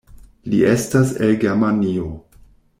Li estas el Germanio.